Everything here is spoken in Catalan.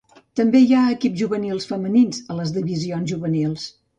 També hi ha equips juvenils femenins a les divisions juvenils.